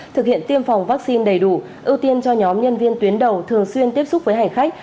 thực hiện tiêm phòng vaccine đầy đủ ưu tiên cho nhóm nhân viên tuyến đầu thường xuyên tiếp xúc với hành khách